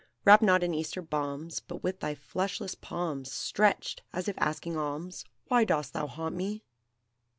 Wrapt not in Eastern balms, But with thy fleshless palms Stretched, as if asking alms, Why dost thou haunt me?"